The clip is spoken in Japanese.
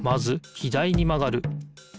左にまがる。